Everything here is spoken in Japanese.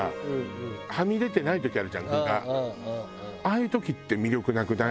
ああいう時って魅力なくない？